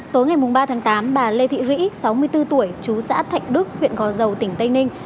tối ngày ba tháng tám bà lê thị rẫy sáu mươi bốn tuổi chú xã thạnh đức huyện gò dầu tỉnh tây ninh